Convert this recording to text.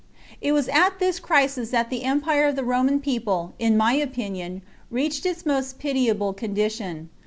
It was at this crisis that the empire of the Roman people, in my opinion, reached its most pitiable condition.